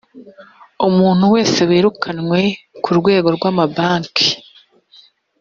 umuntu wese wirukanywe mu rwego rw amabanki